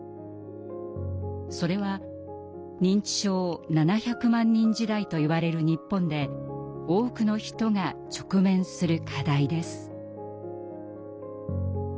それは「認知症７００万人時代」といわれる日本で多くの人が直面する課題です。